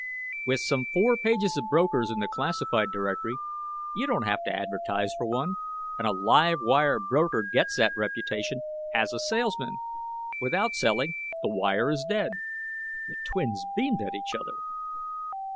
"With some four pages of brokers in the classified directory, you don't have to advertise for one. And a live wire broker gets that reputation as a salesman. Without selling, the wire is dead." The twins beamed at each other.